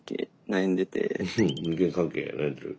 うん人間関係悩んでる。